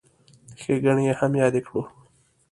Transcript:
ښېګڼې یې هم یادې کړو.